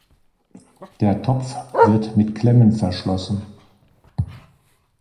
Der Topf wird mit Klemmen verschlossen.